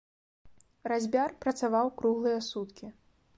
Разьбяр працаваў круглыя суткі.